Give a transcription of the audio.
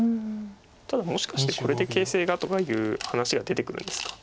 ただもしかしてこれで形勢がとかいう話が出てくるんですか。